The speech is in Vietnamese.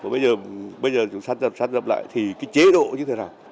và bây giờ chúng ta sát dập lại thì cái chế độ như thế nào